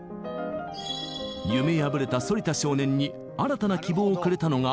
夢破れた反田少年に新たな希望をくれたのがピアノでした。